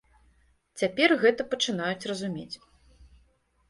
Цяпер гэта пачынаюць разумець.